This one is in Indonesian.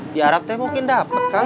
di arab mungkin dapet kak